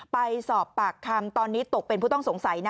ไปสอบปากคำตอนนี้ตกเป็นผู้ต้องสงสัยนะ